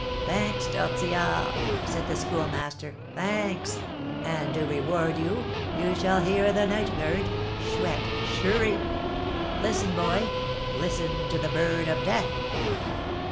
"Thanks, Tortillard!" said the Schoolmaster, "thanks. And, to reward you, you shall hear the night bird (Chouette) shriek! Listen, boy, listen to the bird of death!"